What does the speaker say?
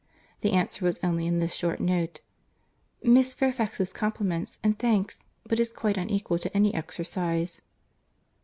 The answer was only in this short note: "Miss Fairfax's compliments and thanks, but is quite unequal to any exercise."